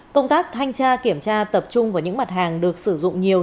công tác thanh tra kiểm tra tập trung vào những mặt hàng được sử dụng nhiều